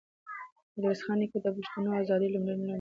ميرويس خان نیکه د پښتنو د ازادۍ لومړنی لمر و.